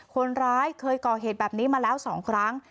คนร้ายเคยก่อเหตุแบบนี้มาแล้ว๒ครั้ง